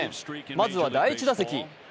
まずは第１打席。